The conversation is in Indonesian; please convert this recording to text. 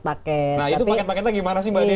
paket paketnya gimana sih